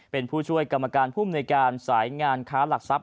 เป็นผู้ช่วยกรรมการผู้มนุยการสายงานค้าหลักทรัพย